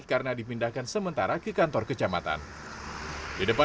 dan dialihkan sementara di kecamatan kota